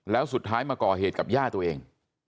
แล้วสุดท้ายมาก่อเหตุกับย่าตัวเอง